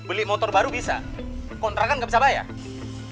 beli motor baru bisa kontrakan nggak bisa bayar